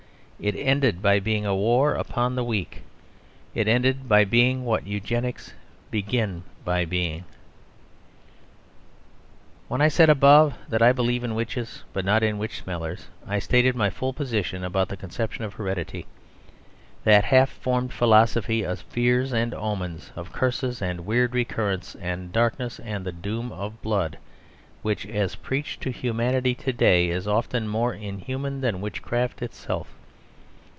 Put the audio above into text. It ended by being a war upon the weak. It ended by being what Eugenics begins by being. When I said above that I believed in witches, but not in witch smellers, I stated my full position about that conception of heredity, that half formed philosophy of fears and omens; of curses and weird recurrence and darkness and the doom of blood, which, as preached to humanity to day, is often more inhuman than witchcraft itself.